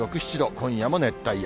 今夜も熱帯夜。